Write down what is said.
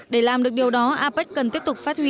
để làm được điều đó apec cần tiếp tục phát huy